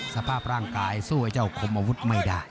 สภาพร่างกายสู้ไอ้เจ้าคมอาวุธไม่ได้